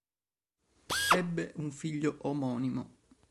Ebbe un figlio omonimo.